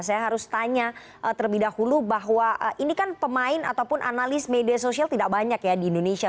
saya harus tanya terlebih dahulu bahwa ini kan pemain ataupun analis media sosial tidak banyak ya di indonesia